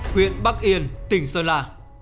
huyện bắc yên tỉnh sơn lạ